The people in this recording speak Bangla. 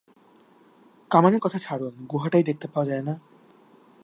কামানের কথা ছাড়ুন, গুহাটাই দেখতে পাওয়া যায় না।